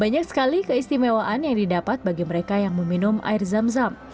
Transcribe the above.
banyak sekali keistimewaan yang didapat bagi mereka yang meminum air zam zam